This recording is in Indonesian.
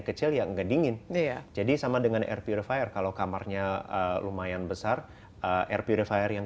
kecil yang enggak dingin jadi sama dengan air purifier kalau kamarnya lumayan besar air purifier yang